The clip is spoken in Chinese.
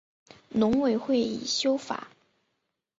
农委会已修法